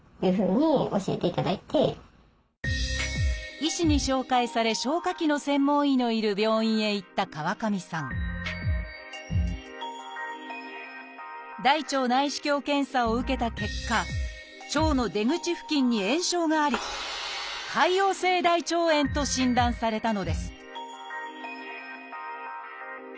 医師に紹介され消化器の専門医のいる病院へ行った川上さん大腸内視鏡検査を受けた結果腸の出口付近に炎症があり「潰瘍性大腸炎」と診断されたのです